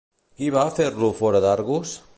Qui va fer-lo fora d'Argos?